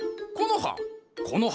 この葉？